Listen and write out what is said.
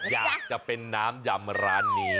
อยากจะเป็นน้ำยำร้านนี้